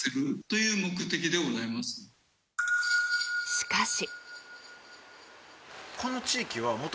しかし。